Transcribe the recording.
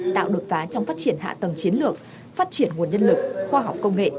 tạo đột phá trong phát triển hạ tầng chiến lược phát triển nguồn nhân lực khoa học công nghệ